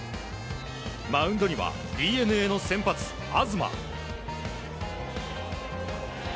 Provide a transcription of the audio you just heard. マウンドにはＤｅＮＡの先発、東。